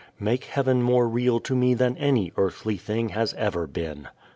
Make heaven more real to me than any earthly thing has ever been.